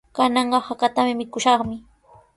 Kananqa hakata mikushaqmi.